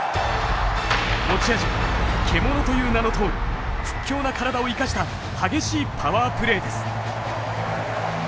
持ち味は獣という名のとおり屈強な体を生かした激しいパワープレーです。